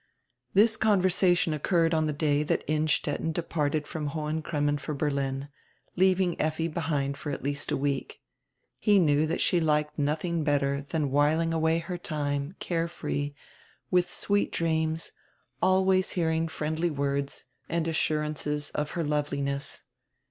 This conversation occurred on the day that Innstetten departed from Hohen Cremmen for Berlin, leaving Effi behind for at least a week. He knew she liked nothing better than whiling away her time, care free, with sweet dreams, always hearing friendly words and assurances of her loveliness.